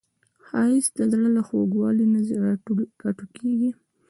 ښایست د زړه له خوږوالي نه راټوکېږي